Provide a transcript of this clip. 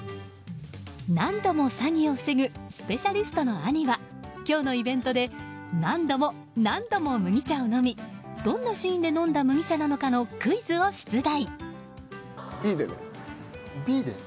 何度も詐欺を防ぐスペシャリストの兄は今日のイベントで何度も何度も麦茶を飲みどんなシーンで飲んだ麦茶なのかのクイズを出題。